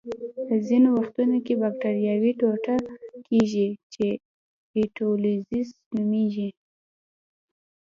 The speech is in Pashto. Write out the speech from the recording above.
په ځینو وختونو کې بکټریاوې ټوټه کیږي چې اټولیزس نومېږي.